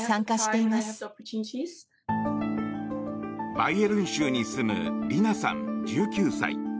バイエルン州に住むリナさん、１９歳。